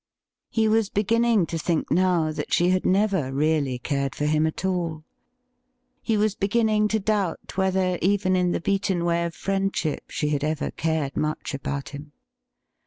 He was beginning to think now that she had never really cared for him at all. He was beginning to doubt whether even in the beaten way of friendship she had ever cared much about him.